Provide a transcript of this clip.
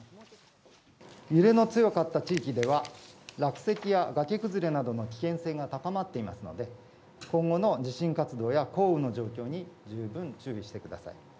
揺れの強かった地域では、落石や崖崩れなどの危険性が高まっていますので、今後の地震活動や降雨の状況に、十分注意してください。